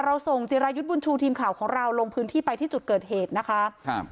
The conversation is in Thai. ส่งจิรายุทธ์บุญชูทีมข่าวของเราลงพื้นที่ไปที่จุดเกิดเหตุนะคะครับ